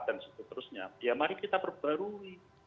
dan seterusnya ya mari kita perbarui